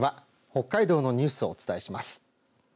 北海道のニュースをお伝えします。